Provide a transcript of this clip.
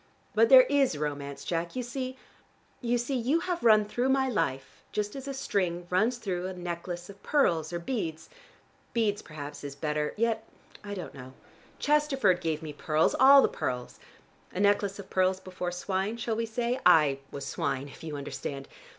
But there is romance, Jack. You see you see you have run through my life just as a string runs through a necklace of pearls or beads: beads perhaps is better yet I don't know. Chesterford gave me pearls, all the pearls. A necklace of pearls before swine shall we say? I was swine, if you understand.